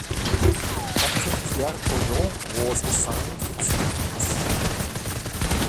Captain Pierre Pouchot was assigned its defense.